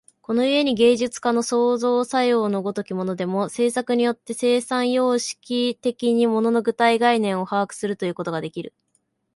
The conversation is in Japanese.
この故に芸術家の創造作用の如きものでも、制作によって生産様式的に物の具体概念を把握するということができる。